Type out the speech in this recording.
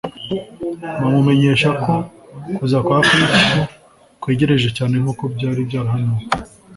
bamumenyesha ko kuza kwa Kristo kwegereje cyane nk'uko byari byarahanuwe